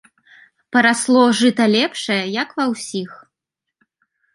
Парасло жыта лепшае, як ва ўсіх.